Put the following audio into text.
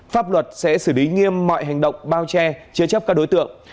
pháp luật sẽ xử lý nghiêm mọi hành động bao che chế chấp các đối tượng